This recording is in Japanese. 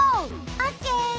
オッケー！